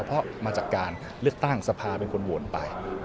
เพราะมาจากการเลือกตั้งสภาเป็นคนโหวตไป